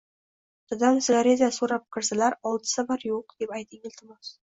Dadam sigareta soʻrab kirsalar olti safar yoʻq deb ayting, iltimos...